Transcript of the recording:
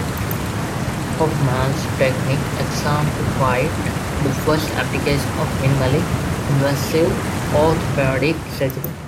Hoffmann's technique exemplified the first application of minimally invasive orthopaedic surgery.